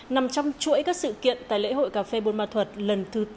nằm trong chuỗi các sự kiện tại lễ hội cà phê bôn ma thuật